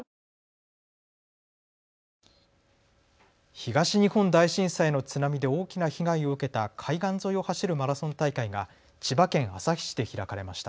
東日本大震災の津波で大きな被害を受けた海岸沿いを走るマラソン大会が千葉県旭市で開かれました。